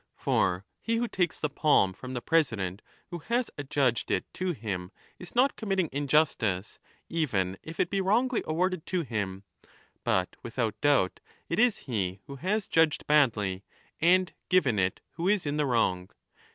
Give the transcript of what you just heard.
For he who takes the palm from the president who has adjudged it to him is not committing injustice, even if it be wrongly awarded to him ; but without doubt it is he who has judged badly and given it who is in the wrong.